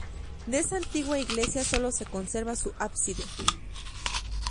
De esa antigua Iglesia solo se conserva su ábside.